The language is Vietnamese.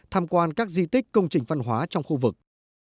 tham quan các di tích công trình văn hóa trong khu vực